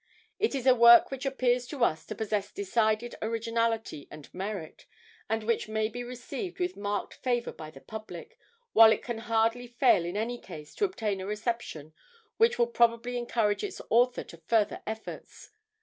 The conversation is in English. It is a work which appears to us to possess decided originality and merit, and which may be received with marked favour by the public, while it can hardly fail in any case to obtain a reception which will probably encourage its author to further efforts.